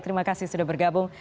terima kasih sudah bergabung